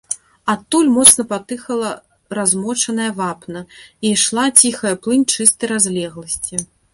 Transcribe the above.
Адтуль моцна патыхала размочаная вапна, і ішла ціхая плынь чыстай разлегласці.